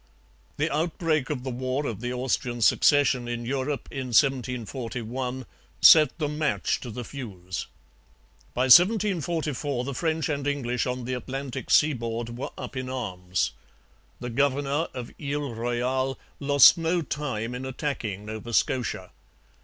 The outbreak of the war of the Austrian Succession in Europe in 1741 set the match to the fuse. By 1744 the French and English on the Atlantic seaboard were up in arms. The governor of Ile Royale lost no time in attacking Nova Scotia.